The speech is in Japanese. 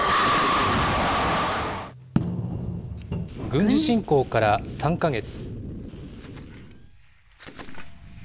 軍事侵攻から３か月。